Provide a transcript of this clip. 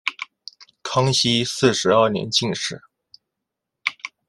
康熙四十二年进士。